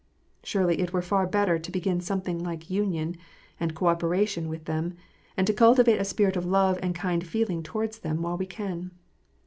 Surely it were far better to begin something like union and co operation with them, and to cultivate a spirit of love and kind feeling towards them while we can.